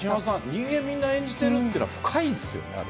人間、みんな演じているって深いですよね。